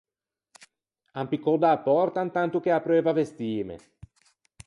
An piccou da-a pòrta intanto ch’ea apreuvo à vestîme.